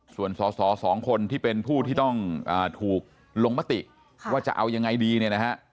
ส่วนสอสอสองคนที่เป็นผู้ที่ต้องถูกลงมติว่าจะเอายังไงดีเนี่ยนะฮะ